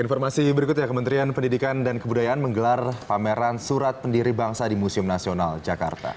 informasi berikutnya kementerian pendidikan dan kebudayaan menggelar pameran surat pendiri bangsa di museum nasional jakarta